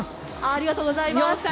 ありがとうございます。